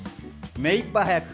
目いっぱい速く。